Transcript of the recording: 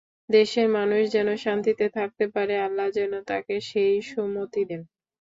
দেশের মানুষ যেন শান্তিতে থাকতে পারে, আল্লাহ যেন তাঁকে সেই সুমতি দেন।